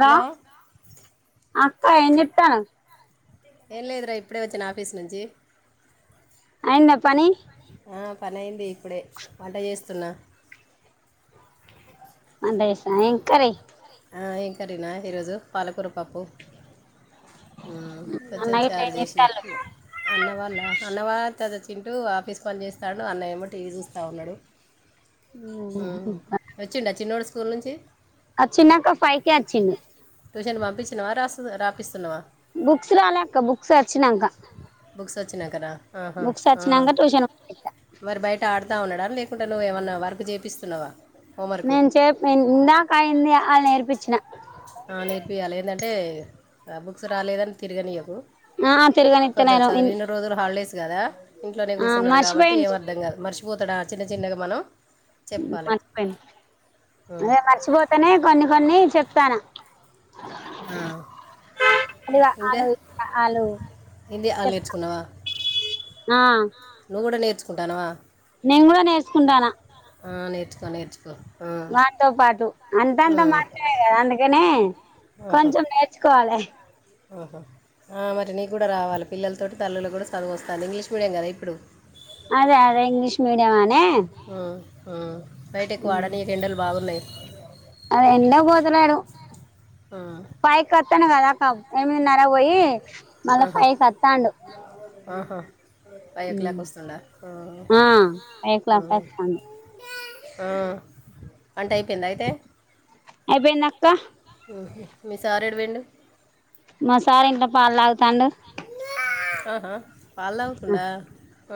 Hello అక్కా ఏంజెత్తానవ్ ఏంలేదురా ఇప్పుడే వచ్చిన ఆఫీస్ నుంచీ అయిందా పని ఆ పనయింది ఇప్పుడే వంట ఏస్తున్నా అంటే ఏంకరీ ఆ ఏంకరీనా ఈరోజు పాలకూర పప్పు ఊ కొంచం అన్న గిట్ల చారు ఏం జేషిన చేత్తాళ్ళు అన్నవాళ్ళ అన్నవాళ్ తద చింటూ ఆఫీస్ పని చేేస్తాడు అన్న ఏమో టీ వీ చూస్తా ఉన్నాడు ఊ వచ్చిండా చిన్నోడు స్కూల్ నుంచి అచ్చిండక్క ఫై కే అచ్చిండు టూషన్ పంపిస్తున్నవా రాస్తు రాపిస్తున్నవా బుక్స్ రాలే అక్క బుక్స్ వచ్చినాంక బుక్స్ వచ్చినాకనా ఆహా బుక్స్ ఆ వచ్చినాంక ట్యూషన్ పంపిత్తా మరి బయట ఆడుతా ఉన్నాడా లేకుంటే నువ్వు ఏమన్నా వర్కు చేపిస్తున్నవా నేను చెప్ నే ఇందాక అయిన్నీ అ ఆ లు నేర్పిచ్చినా ఆ నేర్పియాలి ఏందంటే ఆ బుక్స్ రాలేదని తిరగనియ్యకు ఆ కొంచెం తిరగనిత్తలేను చదివిన రోజులు హాలిడేస్ కదా ఇంట్లోనే ఆ కూసున్నాడు కాబట్టి ఏం మర్చిపోయిండు అర్ధం కాదు మర్షు పోతడా చిన్న చిన్నగా మనం ఉమ్ చెప్పాలి మర్చిపోయినా అదే మర్చిపోతేనే కొన్ని కొన్ని చెప్తానా ఆ అదివా ఆలూ ఆ ఆ లు హిందీ వాళ్ళు చెప్తా నేర్చుకున్నావా ఆ నువ్వు కూడా నేర్చుంటానావా నేను గూడా నేర్సుకుంటానా ఆ నేర్చుకో నేర్చుకో వానితో పాటూ అంతంత మాత్రమే కదా అందుకనే కొంచెం నేర్చుకోవాలి ఆహా ఆ మరి నీకు కూడా రావాలి పిల్లలతోటో తల్లులు కూడా చదువొస్తాను ఇంగ్లీష్ మీడియం కదా ఇప్పుడు అదే అదే ఇంగ్లీష్ మీడియం అనే ఆ ఆ బయట ఎక్కువ ఆడనీయకు ఎండలు బాగున్నయ్ అ ఎండకు బోతలేడు ఆ పైకొత్తేనే కదక్క ఎనిమిదిన్నరకు పోయి మళ్ళా ఆహా ఫైవ్ కి వత్తాండు ఆహా ఫైవ్ ఓ క్లాక్ వస్తుండా ఊ ఆ ఫైవ్ క్లాక్ ఊ వస్తాండు ఆ అంటే అయిపోయిందా అయితే అయిపోయిందక్క ఊహూ మీ సార్ ఎడుబోయిండు మా సార్ ఇంట్లో పాలు తాగుతాండు ఆహా పాలు తాగుతుండా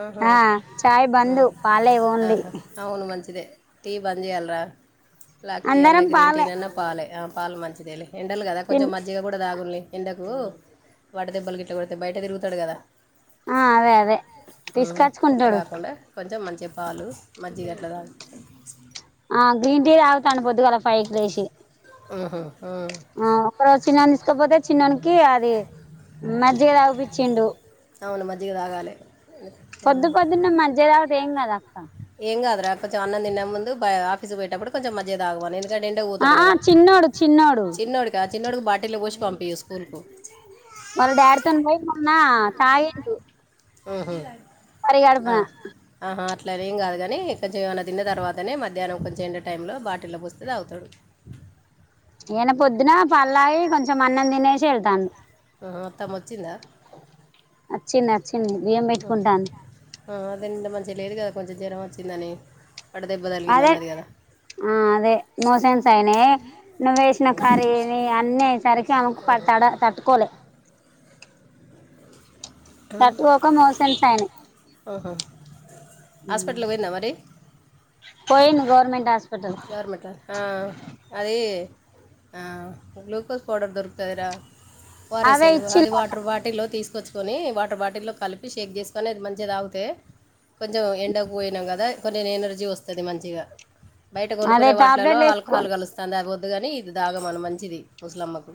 ఊహూ ఆ చాయ్ ఊ బందు పాలే ఓన్లీ ఆహా అవును మంచిదే టీ బంద్ చేయాల్రా బ్లాక్ టీ అందరం అన్నా గ్రీన్ పాలే టీననా పాలే ఆ పాలు మంచిదే లే ఎండలు కదా తిన్ కొంచెం మజ్జిగ కూడా తాగున్లే ఎండకు వాటదెబ్బలు గిట్లా కొడితే బయట తిరుగుతాడు గదా ఆ అదే అదే ఊ తీసుకచ్చుకుంటాడు కొట్టగాకుండా కొంచెం మంచిగా పాలు మజ్జగ ఎట్లా దా ఆ గ్రీన్ టీ తాగుతాండు పద్దుగాల ఫైవ్ కి లేషి ఊహూ ఊ ఆ ఒక రోజు చిన్నాను తీస్కపోతే చిన్నోనికి అది మజ్జిగ తాగుపిచ్చిండు అవును మజ్జిగ తాగాలె పొద్దు పొద్దున్నే మజ్జిగ తాగితే ఏం గదా ఏం కాదురా కొంచం అన్నం తినే ముందు బై ఆఫీసుకు పొయ్యేటప్పుడు కొంచం మజ్జిగ తాగవును ఎందుకంటే ఎం టకు ఆ పోతాడు ఆ కదా చిన్నోడు చిన్నోడు చిన్నోడికా చిన్నోడుకి బాటిల్లో పోసి పంపీయు స్కూల్ కు మళ్ళ దాడితోని పోయి మొన్న తాగిండు ఆహ పరగడపున ఆహ అట్లనేంకాదు కానీ కొంచెం ఏమన్నా తిన్న తర్వాతనే మధ్యాహ్నం కొంచెం ఎండ టైంలో బాటిల్లో పోస్తే తాగుతాడు ఈయన పొద్దున పల్లాయి కొంచెం అన్నం తినేసి వెళ్తాను ఆ మొత్తం వచ్చిందా వచ్చింది వచ్చింది బియ్యం పెట్టుకుంటాంది అదండి మంచిగా లేదు కదా కొంచెం జ్వరం వచ్చిందని వడదెబ్బ తలిగింది అదే అన్నది కదా ఆ అదే మోషన్స్ అయినాయ్ నువ్వు వేసిన ఉహు. కర్రీ అన్నీసరి చాలా ఉహు. పడతాడా తట్టుకోలే తట్టుకోక మోషన్స్ అయినాయి ఆహా హాస్పిటల్లకి పోయిందా మరి పోయింది గవర్నమెంట్ హాస్పిటల్ మట ఆ అది ఆ గ్లూకోజ్ పౌడర్ దొరుకుతాదిరా ఓ ఆర్ ఎస్ అదే సెలువు అది ఇచ్చిల్లట వాటర్ బాటిల్లో తీసుకొచ్చ తీసుకొని వాటర్ బాటిల్లో కలిపి షేక్ చేసుకొని అది మంచిగా తాగుతే కొంచెం ఎండకపోయినాం కదా కొన్ని ఎనర్జీ వస్తుంది మంచిగా బయట అదే కొనుక్కునే వాటిలలో టాబ్లెట్లు ఆల్కహాల్ వేసుకొని కలుస్తాంది అదిపోద్దుగాని ఇది దాగమన మంచిది ముుసలమ్మకు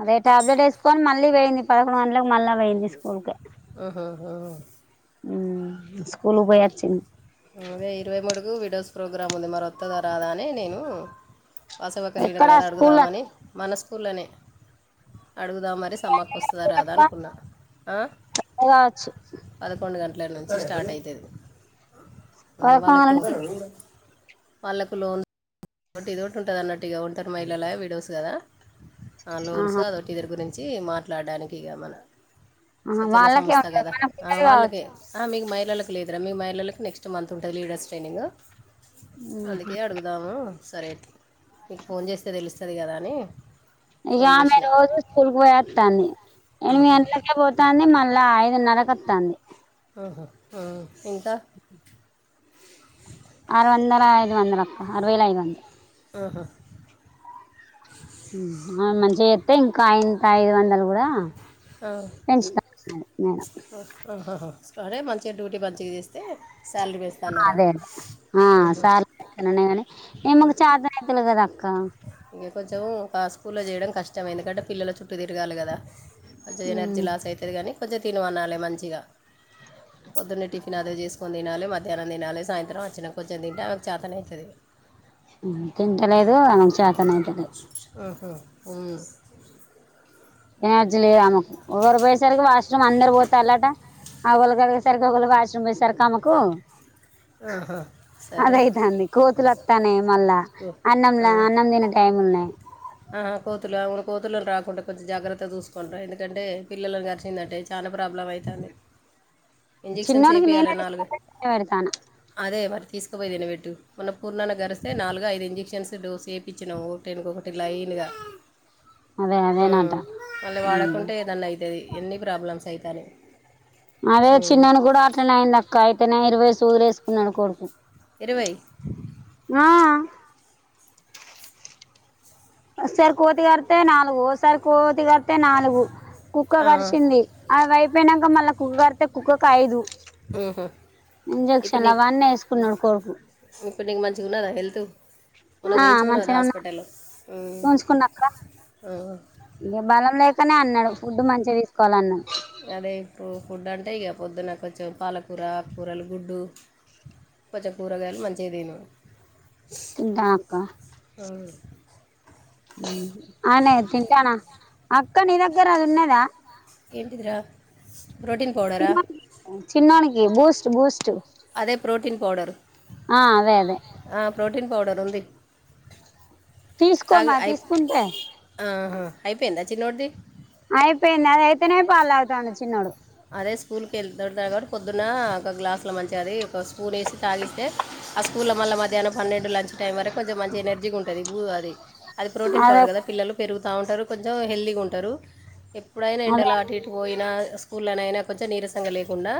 అదే టాబ్లెట్ వేసుకొని మళ్ళీ వేయింది పదకొండు గంటలకు మల్లీ వేయింది ఆహా హా మ్ ఇస్కూల్ కి పోయొచ్చింది ఇరవై మూడుకు వీడియోస్ ప్రోగ్రామ్ ఉంది మరొత్తద రాదనే నేను వాసవక్క లీడర్ ఎక్కడ కద స్కూల్ అడుగుదామని మనస్కూల్ లోనే అడుగుదాం మరి సమ్మక్క వస్తుందా రాదా అనుకున్నా కావచ్చు పదకొండు గంటల నుంచి స్టార్ట్ అయితది ఆ వాళ్ళకు పదకొండు వాళ్ళకు లోన్ ఒకటి ఇది ఒకటి ఉంటది అన్నట్టు ఇక ఒంటరి మహిళల విడోస్ కదా ఆ లోన్స్ ఆహా అదోటి ఇద్దరు గురించి మాట్లాడడానికి ఇక మన ఆహా స్వచ్చంద వాళ్ళకే సంస్థ ఉంటది కదా మనకు ఆ ఉండదు వాళ్ళకి కావచ్చు ఆ మీకు మహిళలకు లేదురా మీ మహిళలకు నెక్స్ట్ మంత్ ఉంటుంది లీడర్స్ ట్రైనింగ్ అందుకే అడుగుదాము సరే మీకు ఫోన్ చేస్తే తెలుస్తది కదా అని ఇక ఫోన్ మే చేసిన రోజు స్కూల్కి పోయేస్తాన్ని ఎనిమిది ఆహా, గంటల అ పోతాంది మళ్ళా ఐదున్నరకొత్తాంది ఆహ ఆ ఇంకా ఆరు వందల ఐదు వందల అప్ప అరవేల ఐదు వందలు ఆహా మంచిగా చేస్తా ఇంకా అయింత ఐదు వందలు కూడా ఆ ఇన్స్ ప [unintelligible] సరే మంచిగా డ్యూటీ మంచిగా చేస్తే శాలరీ పెంచు ఆ అదే అదే ఆ సార్గానీ అన్నకాని ఎందుకు చార్జ అయితులు కదా అక్క ఇంక కొంచెం ఫాస్ట్ స్కూల్లో చేయడం కష్టం ఎందుకంటే పిల్లల చుట్టూ తిరగాలి కదా కొంచెం ఎనర్జీ లాస్ అయితాది కానీ కొంచెం తినమనాలి మంచిగా పొద్దున్నే టిఫన్ అదవి చేసుకని తినాలి మధ్యాహ్నం తినాలి సాయంత్రం అచ్చినం కొంచెం తింటే చేతన అయితది తింటలేదు ఆమెకి చేతన అయితలే ఊహూ ఉమ్ ఎనర్జీ లేదు ఆమకు ఎవరు పోయ్యేసరికి వాష్రూమ్ అందరూ పోతాల్లట ఆ వాళ్ళుకదే సరికోకుల్లు వాష్రూమ్ పోయేసరుకు ఆమెకు సరే అదైతాంది కోతులొత్తానాయ్ మళ్ళా ఆ. అన్నంలా అన్నం తినే ట్ టైమున్నే ఆహా కోతులు అవును కోతులను రాకుంటా కొంచం జాగ్రత్త చూసుకోండ్రా ఎందుకంటే పిల్లలను గరిషిందంటే చానా ప్రాబ్లం అయితాంది చిన్నొనికి నేనైతే [inaudible] పెడతానా అదే మరి తీస్కపోయి ఏదైనా పెట్టు మొన్న పూర్ణన్న గరిస్తే నాలుగు ఐదు ఇంజెక్షన్స్ డోసు ఏ పిచ్చినాం ఓటెనకొకటి లైనుగా అదే ఊ అదేనట మళ్ళీ ఉమ్ వాడకుంటే ఏదన్నా అయితది ఎన్నీ ప్రాబ్లమ్స్ అయితానయ్ అదే చిన్నాను కూడా అట్లనే అయ్యింది అక్క అయితేనే ఇరువై సూదులేసుకున్నాడు కొడుకు ఇరవై ఆ ఓసారి కోతి కరిత్తే నాలుగు ఒకసారి కోతి కరిత్తే నాలుగు కుక్క ఆ, కరిచింది అవి అయిపోయినాంక మళ్ళా కుక్క కరిత్తే కుక్కకు ఐదు ఉహు. ఇప్పుడు ఇంజెక్షన్ నీకు అవన్నీ ఏసుకున్నాడు కొడుకు ఇప్పుడు నీకు మంచిగున్నదా హెల్తు మొన్న ఆ చూయించుకున్నావు గదా మంచిగానే ఉన్నా హాస్పిటల్ ఉంచుకున్నా అక్క ఇంక బలం లేకనే అన్నాడు ఫుడ్డు మంచిగా తీసుకోవాలన్నాడు అదే ఇప్పుడు ఫుడ్ అంటే ఇగ పొద్దున కొంచెం పాలకూర ఆక్కూరలు గుడ్డు కొంచెం కూరగాయలు మంచిగా తిను తింటా అక్క ఆ అవునే తింటానా అక్కా నీ దగ్గర అది ఉన్నదా ఏంటిదిరా ప్రోటీన్ పౌడరా చిన్నోనికి బూస్ట్ బూస్ట్ అదే ప్రోటీన్ పౌడరు ఆ అదే అదే ఆ ప్రోటీన్ పౌడర్ ఉంది తాగు తీసుకోమా అయి తీసుకుంటే ఆహా అయిపోయిందా చిన్నోడిది అయిపోయింది అది అయితేనే పాలు తాగుతాండు చిన్నోడు అదే స్కూల్ కెళ్తుంటారు కాబట్టి పొద్దున్న ఒక గ్లాస్ లో మంచిగా అది ఒక్క పూనేసి తాగిస్తే ఆ స్కూల్ ల మళ్ళీ మధ్యానం పన్నెండు లంచ్ టైం వరకు కొంచెం మంచి ఎనర్జీగుంటది బూ అది అది ప్రోటీన్ అదే పౌడర్ కదా పిల్లలు పెరుగుతా ఉంటారు కొంచెం హెల్తీగా ఉంటారు ఎప్పుడైనా అదే ఎండలో అటు ఇటు పోయినా స్కుల్లోనైనా కొంచెం నీరసంగా లేకుండా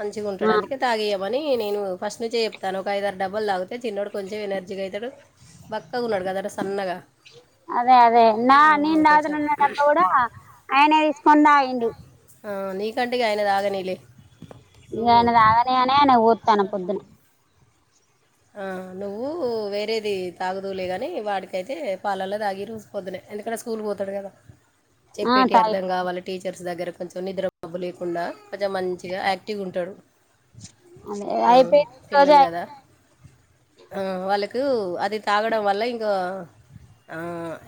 మంచిగుంటాడు ఆ అందుకే తాగియ్యమని నేను ఫస్ట్ నుంచి చెప్తాను ఒక ఐదారు డబ్బాలు తాగితే చిన్నోడు కొంచెం ఎనర్జీగయితాడు బక్కగున్నాడు కదరా సన్నగా అదే అదే నా నేను ఉమ్, కొంచెం తాగనున్న డబ్బా కూడా ఆయనే తీసుకొని తాగిండు ఆ నీ కంటే ఇగ అయన దాగనీలే ఇంగా ఆయన తగనీ అనే ఆయనకు పోత్తానా పొద్దున ఆ నువ్వు వేరేది తాగుదువులే గానీ వాడికైతే పాలల్లో తాగీ రోజు పొద్దునే ఎందుకంటే స్కూల్ కు పోతాడు కదా ఆ చెప్పేటి తాగి అర్థం కావాల టీచర్స్ దగ్గర కొంచెం నిద్ర మబ్బు లేకుండా పోదాం మంచిగా యాక్టివ్ ఉంటాడు అదే ఉ అయిపోయి ఈ రోజే పిల్లలు అయి కదా ఆ వాళ్ళకు అది తాగడం వల్ల ఇంకా ఆ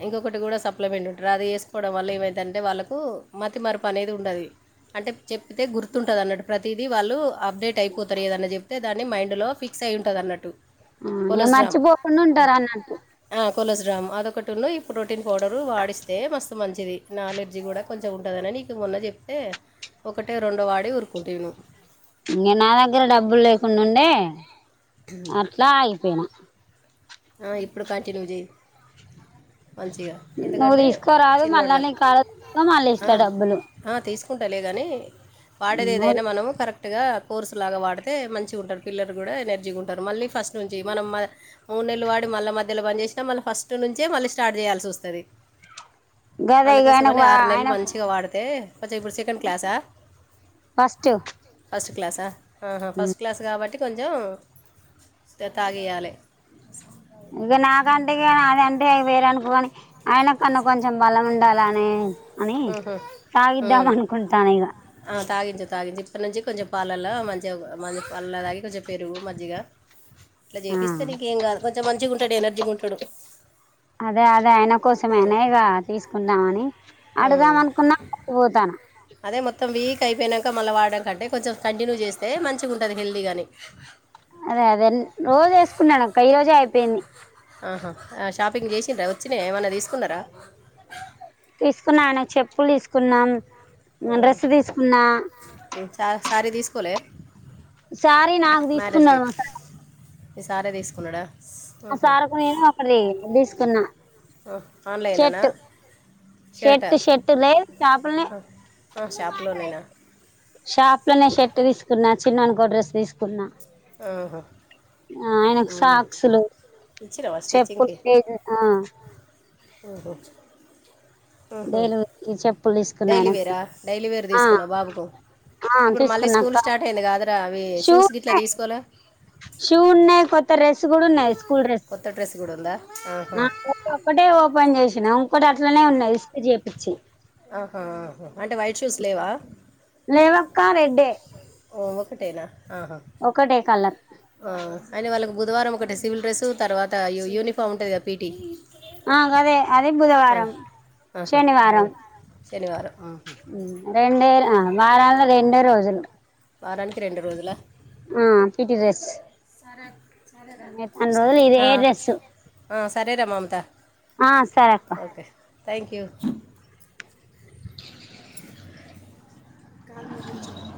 ఇంకొకటి కూడా సప్లిమెంట్ ఉంట రా అది ఏసుకోవడం వల్ల ఏమైద్దంటే వాళ్ళకు మతిమరపు అనేది ఉండది అంటే చెప్పితే గుర్తుంటది అన్నట్టు ప్రతీదీ వాళ్ళు అప్డేట్ టై పోతారు ఏదన్నా చెప్తే దాన్ని మైండ్లో ఫిక్స్ అయ్యుంటది అన్నట్టు ఊ ఏ మర్చిపోకుండా ఉంటరన్నట్టు ఆ కొలెస్రాము అదొకటిన్ను ఈ ప్రోటీన్ పౌడరు వాడిస్తే మస్తు మంచిది నాలెడ్జీ కూడా కొంచెం ఉంటాదనే నీకు మొన్న చెప్తే ఒకటో రెండో వాడి ఊరుకుంటువి నువ్వు ఇంక నా దగ్గర డబ్బులు లేకుండుండే అట్లా ఆగిపోయినా ఆ ఇప్పుడు కంటిన్యూ చెయ్ మంచిగా నువ్వు ఎందుకంటే తీసుకోరాదు చిన్నోడు మళ్ళా గా నీ కాడ మళ్ళీ ఆ ఇస్తా డబ్బులు ఆ తీసుకుంటాలే గానీ వాడేది నువ్వు ఏదైనా మనము కర క్ట్ గా కోర్సు లాగా వాడితే మంచిగుంటరు పిల్లలు కూడా ఎనర్జీగుంటారు మళ్ళీ ఫస్ట్ నుంచి మనం మద మూడు నెళ్ళు వాడి మళ్ళా మధ్యలో బంద్ చేసినా మళ్ళా ఫస్ట్ నుంచే మళ్ళీ స్టార్ట్ చేయాల్సి ఒస్తది గదే ఇగ అందుకోసమనే ఆయనకు ఆరు నెలలు ఆయనకు మంచిగా వాడితే కొంచెం ఇప్పుడు సెకండ్ క్లాసా ఫస్ట్ ఫస్ట్ క్లాసా ఆహా ఫస్ట్ క్లాస్ కాబట్టి కొంచెం త తాగియాలె ఇగ నాకంటే ఇగ అది అంటే వేరనుకోని ఆయన కన్నా కొంచెం బలం ఉండాల అని అని ఉహు, తాగిద్దాం ఉమ్. అనుకుంటానా ఇగ ఆ తాగించు తాగించు ఇప్పటి నుంచి కొంచెం పాలల్లో మంచిగా మంచి పాలల్లో తాగి కొంచెం పెరుగు మజ్జిగ ఇట్లా ఆ చేపిస్తే నీంకేం కాదు కొంచెం మంచిగుంటాడు ఎనర్జీగుంటడు అదే అదే ఆయన కోసమే అనేగా తీసుకుందామని అడుదాం ఉమ్. అనుకున్నా [inaudible] పోతానా అదే మొత్తం వీక్ అయిపోయినాంక మళ్ళీ వాడడం కంటే కొంచెం కంటిన్యూ చేస్తే మంచిగుంటది హెల్తీగా అని అదే అదే ఇన్ రోజూ వేసుకున్నాను అక్క ఈ రోజే అయిపోయింది ఆహా షాపింగ్ చేసిండ్రా వచ్చినయా ఏమన్నా తీసుకున్నరా తీసుకున్నా ఆయన చెప్పులు తీసుకున్నాం [inaudible] డ్రెస్సు తీసుకున్నా ఊ చా సారీ తీసుకోలే సారీ నా మ్యారేజ్ డే కి మీ సారే తీసుకున్నాడా ఆ సారుకు నేను అక్కడిది తీసుకున్నా ఆన్లైన్లోనా చెట్టు షర్టా షెట్టు షెట్టు దే షాపులనే షాప్లోనేనా షాప్ లోనే షెర్ట్ తీసుకున్నా చిన్నోనుకో డ్రెస్ తీసుకున్నా ఆహా ఆ ఆయనకు సాక్సులు ఇచ్చినవా స్టిచ్చింగ్ చెప్పులు కి డైలీ ఆ ఊహూ ఊహూ డైలీవేర్కి చెప్పులు తీసుకున్నా ఆయనకి డైలీవేరా డైలీవేర్ ఆ తీసుకున్నావు బాబుకు ఆ ఇప్పుడు మళ్ళీ తీసుకున్నాక్క స్కూల్ స్టార్ట్ అయింది కాదరా అవి షూ షూస్ గిట్లా ఉన్నాయి తీసుకోలా షూ ఉన్నాయి కొత్త రెస్ కూడా ఉన్నాయి స్కూల్ డ్రెస్ కొత్త కూడా ఉందా ఊ [inaudible] ఒక్కటే ఓపెన్ చేసినా ఉంకోటి అట్లనే ఉన్నయి స్టిచ్ చేపిచ్చి ఆహా ఆహా అంటే వైట్ షూస్ లేవా లేవక్క రెడ్డే ఓ ఒక్కటేనా ఆహా ఒకటే కలర్ ఆ అయినా వాళ్ళకు బుధవారం ఒకటి సివిల్ డ్రెస్సు తర్వాత యూనిఫామ్ ఉంటదిగా పీ టీ ఆ గదే అదే బుధవారం ఆహా శనివారం రండే ఆ వారలో రెండె రోజులు వారానికి రెండు రోజుల ఆ పిటి డ్రెస్ సరే అండి మిగతా అన్ని సరే రోజులు ఇదే రా సరే డ్రెస్సు అండి ఆ సరే రా మమత ఆ సరే అక్క ఓకే థ్యాంక్ యూ కాల్ ముగించండి